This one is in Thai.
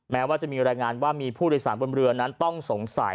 แม้ว่าจะมีรายงานว่ามีผู้โดยสารบนเรือนั้นต้องสงสัย